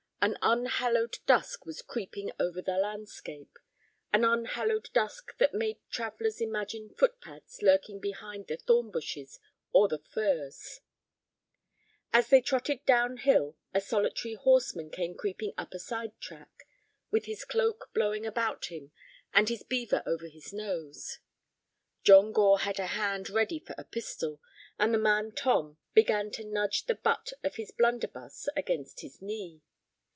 An unhallowed dusk was creeping over the landscape—an unhallowed dusk that made travellers imagine footpads lurking behind the thorn bushes or the furze. As they trotted downhill a solitary horseman came creeping up a side track, with his cloak blowing about him and his beaver over his nose. John Gore had a hand ready for a pistol, and the man Tom began to nudge the butt of his blunderbuss against his knee.